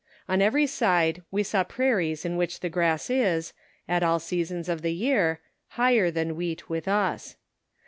On every side we saw prairies on which the grass is, at all seasons of the year, higher than wheat with us.